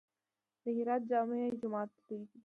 د هرات جامع جومات لوی دی